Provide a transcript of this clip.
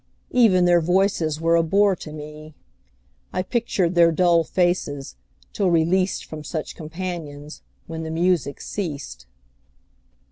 Even their voices were a bore to me; I pictured their dull faces, till released From such companions, when the music ceased.